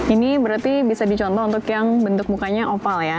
ini berarti bisa dicontoh untuk yang bentuk mukanya opal ya